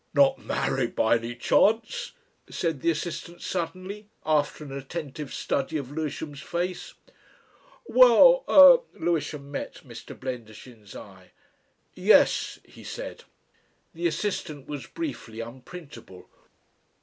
"Not married by any chance?" said the assistant suddenly, after an attentive study of Lewisham's face. "Well er." Lewisham met Mr. Blendershin's eye. "Yes," he said. The assistant was briefly unprintable.